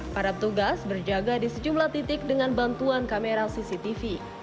para petugas berjaga di sejumlah titik dengan bantuan kamera cctv